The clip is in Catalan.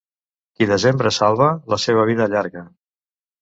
Qui desembre salva, la seva vida allarga.